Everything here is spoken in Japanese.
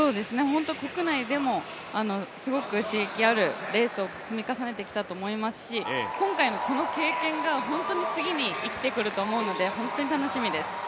国内でもすごく刺激あるレースを積み重ねてきたと思いますし今回のこの経験が本当に次に生きてくると思うので本当に楽しみです。